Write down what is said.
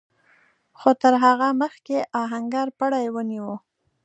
خو تر هغه مخکې آهنګر پړی ونيو.